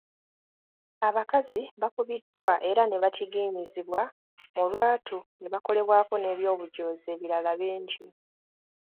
Abakazi bakubiddwa era ne batigiinyizibwa mu lwatu ne bakolebwako n’eby’obujoozi ebirala bingi.